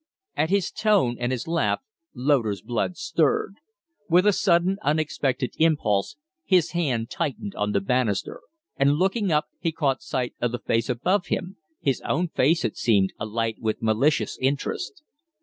At his tone and his laugh Loder's blood stirred; with a sudden, unexpected impulse his hand tightened on the banister, and, looking up, he caught sight of the face above him his own face, it seemed, alight with malicious interest.